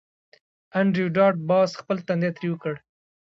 انډریو ډاټ باس خپل تندی ترېو کړ